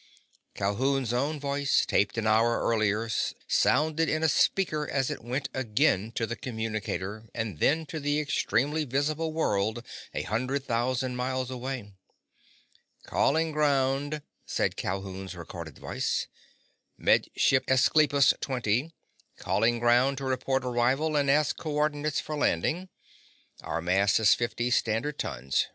Calhoun's own voice, taped an hour earlier, sounded in a speaker as it went again to the communicator and then to the extremely visible world a hundred thousand miles away. "Calling ground," said Calhoun's recorded voice. "Med Ship Esclipus Twenty calling ground to report arrival and ask coordinates for landing. Our mass is fifty standard tons.